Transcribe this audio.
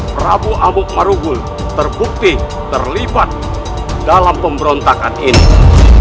prabu amuk marugul terbukti terlibat dalam pemberontakan ini